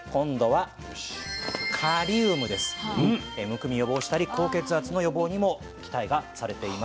むくみ予防したり高血圧の予防にも期待がされています。